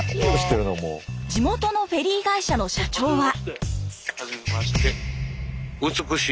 地元のフェリー会社の社長は。